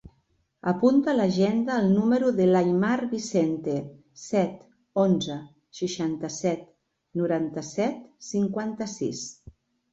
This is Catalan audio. Apunta a l'agenda el número de l'Aimar Vicente: set, onze, seixanta-set, noranta-set, cinquanta-sis.